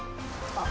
あっ！